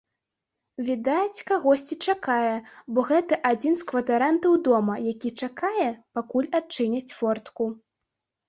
Відаць, кагосьці чакае, або гэта адзін з кватарантаў дома, які чакае, пакуль адчыняць фортку.